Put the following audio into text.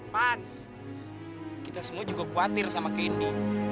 van kita semua juga khawatir sama candy